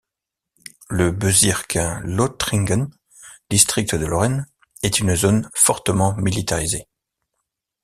Le Bezirk Lothringen, district de Lorraine, est une zone fortement militarisée.